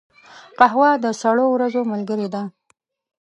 قهوه د سړو ورځو ملګرې ده